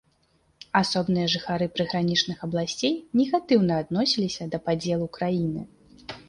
Асобныя жыхары прыгранічных абласцей негатыўна адносіліся да падзелу краіны.